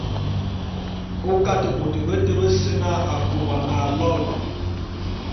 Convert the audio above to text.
O Kate bôt beté bese na Akôma aloene.